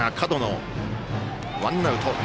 ワンアウト。